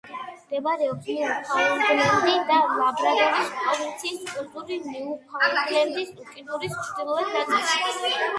მდებარეობს ნიუფაუნდლენდი და ლაბრადორის პროვინციის კუნძულ ნიუფაუნდლენდის უკიდურეს ჩრდილოეთ ნაწილში.